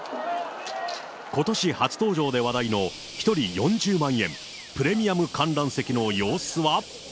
ことし初登場で話題の１人４０万円、プレミアム観覧席の様子は。